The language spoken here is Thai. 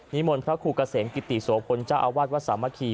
นิมนต์พระครูกระเสงศ์กิตติสวพลจ้าอาวาสวรรคี